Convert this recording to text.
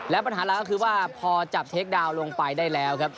และปัญหาหลักก็คือว่าพอจับเทคดาวน์ลงไปได้แล้วครับ